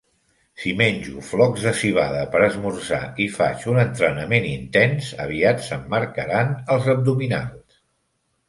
Si menjo flocs de civada per esmorzar i faig un entrenament intens, aviat se'm marcaran els abdominals.